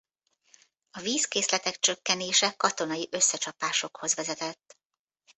A vízkészletek csökkenése katonai összecsapásokhoz vezetett.